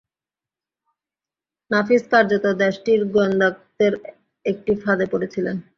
নাফিস কার্যত দেশটির গোয়েন্দাদের একটি ফাঁদে পড়েছিলেন।